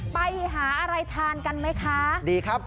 ไปหาอะไรทานกันไหมคะดีครับ